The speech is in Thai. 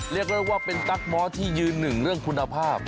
เรียกได้ว่าเป็นตั๊กม้อที่ยืนหนึ่งเรื่องคุณภาพ